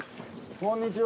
こんにちは。